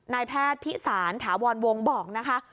นายแพทย์พิสารถาวรวงบอกนะคะ